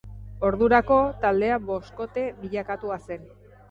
Ordurako, taldea boskote bilakatua zen.